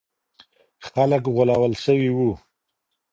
خلګ غولول سوي وو.